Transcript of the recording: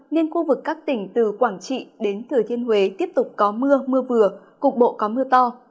nên khu vực các tỉnh từ quảng trị đến thừa thiên huế tiếp tục có mưa mưa vừa cục bộ có mưa to